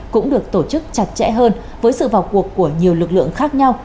cũng được tổ chức chặt chẽ hơn với sự vào cuộc của nhiều lực lượng khác nhau